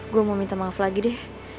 gue mau minta maaf lagi deh